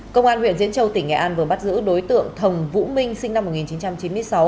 công an huyện diễn châu tỉnh nghệ an vừa bắt giữ đối tượng thồng vũ minh sinh năm một nghìn chín trăm chín mươi sáu